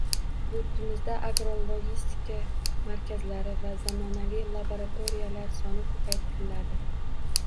Yurtimizda agrologistika markazlari va zamonaviy laboratoriyalar soni ko‘paytiriladi.